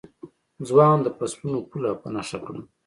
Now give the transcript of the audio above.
ځوان د فصلونو پوله په نښه کړه.